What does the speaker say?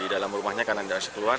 dalam rumahnya karena dia harus keluar